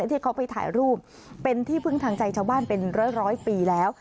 ที่เขาไปถ่ายรูปเป็นที่พึ่งทางใจชาวบ้านเป็นร้อยปีแล้ว